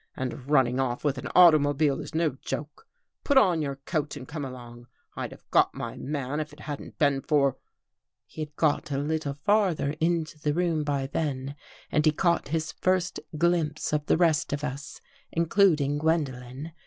And running off with an automobile is no joke. Put on your coat and come along. I'd have got my man if it hadn't been for ..." He had got a little farther into the room by then and he caught his first glimpse of the rest of us, in cluding Gwendolen.